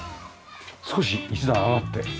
少し一段上がって。